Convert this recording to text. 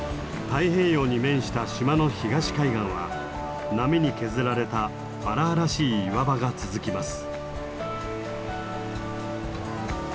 太平洋に面した島の東海岸は波に削られた荒々しい岩場が続きます。